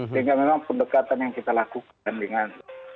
sehingga memang pendekatan yang kita lakukan dengan